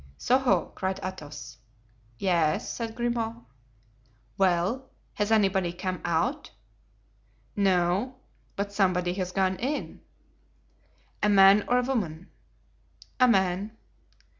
"Soho!" cried Athos. "Yes," said Grimaud. "Well, has anybody come out?" "No, but somebody has gone in." "A man or a woman?" "A man."